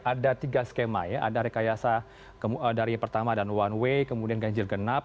ada tiga skema ada rekayasa dari pertama dan one way kemudian ganjil genap